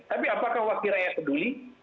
tapi apakah wakil rakyat peduli